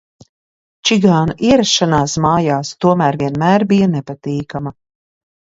Čigānu ierašanās mājās tomēr vienmēr bija nepatīkama.